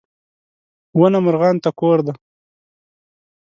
• ونه مرغانو ته کور دی.